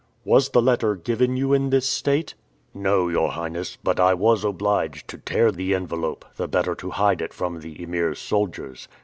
"Was the letter given you in this state?" "No, your Highness, but I was obliged to tear the envelope, the better to hide it from the Emir's soldiers."